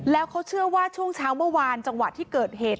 แล้วเขาเชื่อว่าช่วงเช้าเมื่อวานจังหวะที่เกิดเหตุ